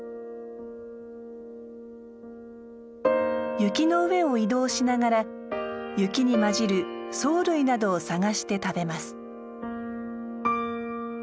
雪の上を移動しながら雪にまじる藻類などを探して食べます。